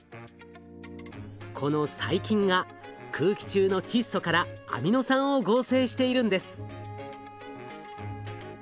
この細菌が空気中の窒素からアミノ酸を合成しているんです。